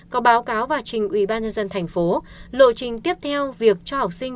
có báo cáo và trình ybnd thành phố lộ trình tiếp theo việc cho học sinh